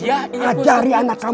bapak mau ngajar anak sholat